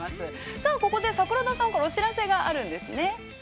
さあ、ここで、桜田さんからお知らせがあるんですね。